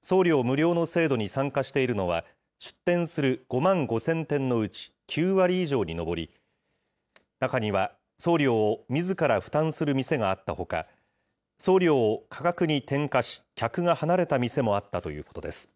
送料無料の制度に参加しているのは、出店する５万５０００店のうち９割以上に上り、中には送料をみずから負担する店があったほか、送料を価格に転嫁し、客が離れた店もあったということです。